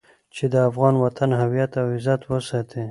چې د افغان وطن هويت او عزت وساتي.